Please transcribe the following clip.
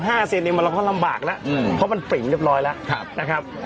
เอา๕เซนติมันเราก็ลำบากแล้วเพราะมันปริ่งเรียบร้อยแล้ว